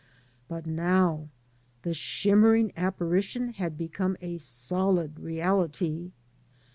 But now the shimmering apparition had become a solid reality.